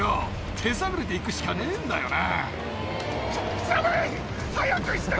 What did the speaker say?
手探りで行くしかねえんだよな。